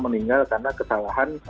meninggal karena kesalahan